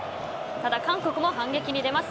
ただ、韓国も反撃に出ます。